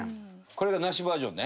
これがなしバージョンね。